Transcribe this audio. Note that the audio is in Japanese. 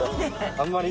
あんまり